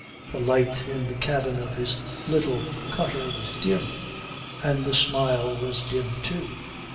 The light in the cabin of his little cutter was dim. And the smile was dim too.